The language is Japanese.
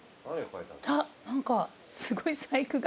あっ何かすごい細工が。